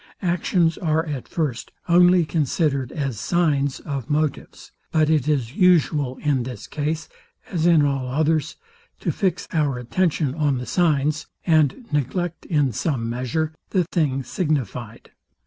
Actions are at first only considered as signs of motives: But it is usual, in this case, as in all others, to fix our attention on the signs, and neglect, in some measure, the thing signifyed.